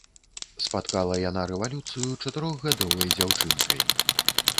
Спаткала яна рэвалюцыю чатырохгадовай дзяўчынкай.